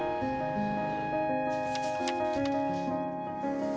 うん。